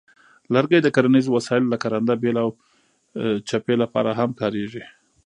لرګي د کرنیزو وسایلو لکه رنده، بیل، او چپې لپاره هم کارېږي.